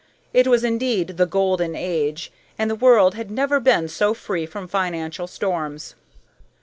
It was indeed the "Golden Age," and the world had never been so free from financial storms.